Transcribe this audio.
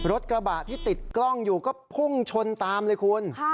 รถกระบะที่ติดกล้องอยู่ก็พุ่งชนตามเลยคุณ